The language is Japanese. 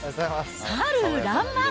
春らんまん。